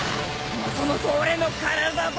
もともと俺の体だ！